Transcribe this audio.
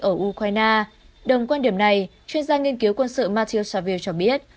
ở ukraine đồng quan điểm này chuyên gia nghiên cứu quân sự matthew saville cho biết